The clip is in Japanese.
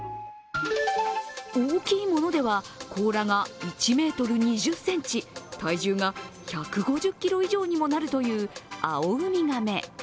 大きいものでは甲羅が１ｍ２０ｃｍ体重が１５０ｋｇ以上にもなるというアオウミガメ。